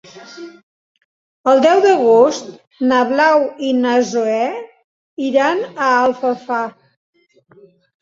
El deu d'agost na Blau i na Zoè iran a Alfafar.